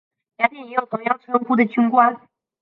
雅典也有同样称呼的军官。